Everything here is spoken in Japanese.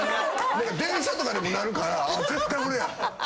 電車とかでもなるから絶対俺や。